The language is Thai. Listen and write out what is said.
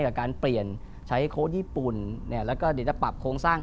กับการเปลี่ยนใช้โค้ชญี่ปุ่นเนี่ยแล้วก็เดี๋ยวจะปรับโครงสร้าง